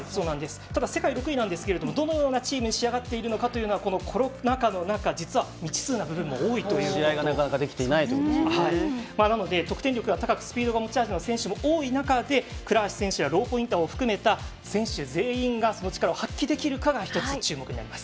世界６位なんですけどもどのようなチームに仕上がっているかはこのコロナ禍の中未知数な部分が多いのでなので、得点力が高くスピードが持ち味の選手も多い中倉橋選手やローポインターを含めた選手全員がその力を発揮できるかが１つ注目になります。